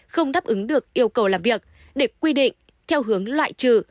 không đáp ứng được yêu cầu làm việc để quy định theo hướng loại trừ